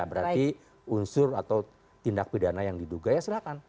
berarti unsur atau tindak pidana yang diduga ya silahkan